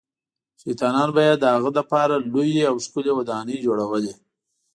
شیطانان به یې د هغه لپاره لویې او ښکلې ودانۍ جوړولې.